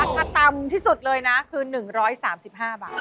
ถ้าต่ำที่สุดเลยนะคือ๑๓๕บาท